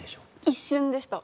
一瞬でした。